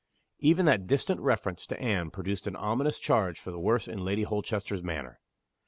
Even that distant reference to Anne produced an ominous change for the worse in Lady Holchester's manner.